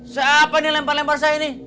siapa nih lempar lempar saya ini